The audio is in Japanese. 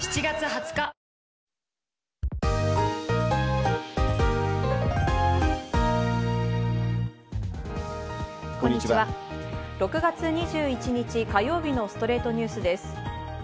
６月２１日、火曜日の『ストレイトニュース』です。